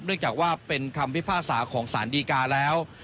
จากว่าเป็นคำพิพากษาของสารดีกาแล้ว